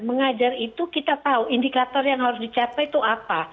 mengajar itu kita tahu indikator yang harus dicapai itu apa